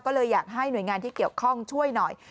ก็เลยอยากให้หน่วยงานที่เกี่ยวข้องช่วยหน่อย